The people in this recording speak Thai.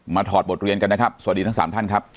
ถอดบทเรียนกันนะครับสวัสดีทั้ง๓ท่านครับ